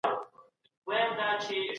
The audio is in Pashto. دوی په هند کي هم واکمني کړې ده.